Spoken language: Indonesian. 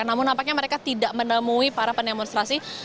namun nampaknya mereka tidak menemui para pendemonstrasi